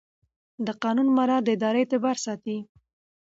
د قانون مراعات د ادارې اعتبار ساتي.